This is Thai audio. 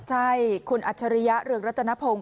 ใช่คุณอัจฉริยะเรืองรัตนพงศ์